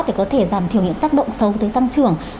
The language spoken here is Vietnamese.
để có thể giảm thiểu những tác động xấu tới tăng trưởng